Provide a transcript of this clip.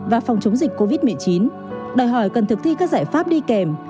và phòng chống dịch covid một mươi chín đòi hỏi cần thực thi các giải pháp đi kèm